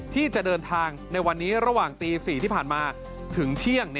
ที่จะเดินทางในวันนี้ระหว่างตี๔ที่ผ่านมาถึงเที่ยง